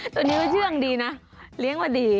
ตัวนี้ว่าเชื่องดีนะเลี้ยงมาดี